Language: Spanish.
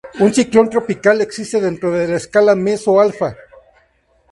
Un ciclón tropical existe dentro de la escala "meso-alfa".